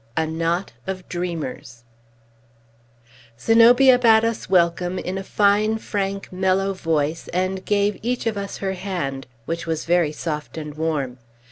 A KNOT OF DREAMERS Zenobia bade us welcome, in a fine, frank, mellow voice, and gave each of us her hand, which was very soft and warm.